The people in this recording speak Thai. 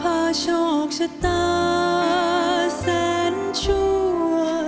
โชคชะตาแสนชั่ว